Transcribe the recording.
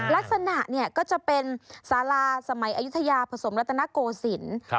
ลักษณะเนี่ยก็จะเป็นศาลาสมัยอายุธยาผสมระตะนะกโกศิณ